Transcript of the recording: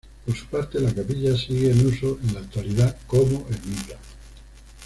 Por su parte, la capilla sigue en uso en la actualidad como Ermita.